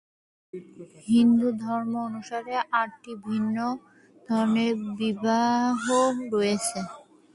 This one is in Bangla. হিন্দু ধর্ম অনুসারে আটটি ভিন্ন ধরনের বিবাহ রয়েছে।